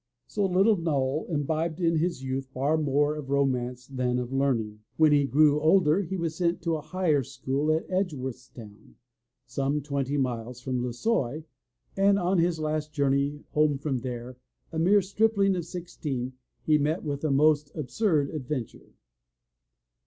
So, little Noll imbibed in his youth far more of romance than of learning. When he grew older he was sent to a higher school at Edgeworthstown, some twenty miles from Lissoy, and on his last journey home from there, a mere stripling of sixteen, he met with a most absurd adventure.